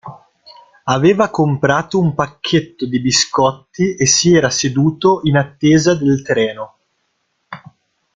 Aveva comprato un pacchetto di biscotti e si era seduto in attesa del treno.